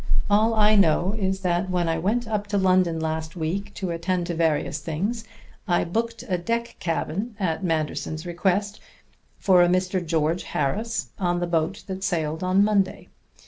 All I know is that when I went up to London last week to attend to various things I booked a deck cabin, at Manderson's request, for a Mr. George Harris on the boat that sailed on Monday.